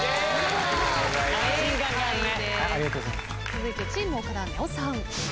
続いてチーム岡田ねおさん。